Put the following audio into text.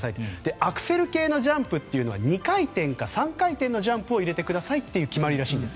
アクセル系のジャンプというのは２回転か３回転のジャンプを入れてくださいという決まりらしいんです。